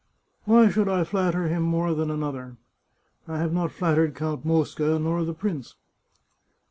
Why should I flatter him more than another ? I have not flattered Count Mosca nor the prince.